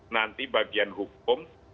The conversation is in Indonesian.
nanti bagian hukum